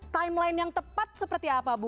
timeline yang tepat seperti apa bu